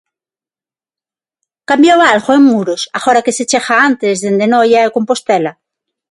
Cambiou algo en Muros, agora que se chega antes dende Noia e Compostela?